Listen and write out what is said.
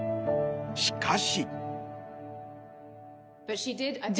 しかし。